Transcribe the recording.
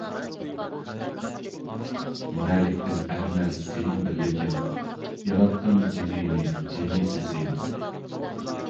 نېمەلىكتىن ئەرمەس سېنىڭ بىرلىكىڭ، ياراتتىڭ جىمىنى، جىمىسى سېنىڭ.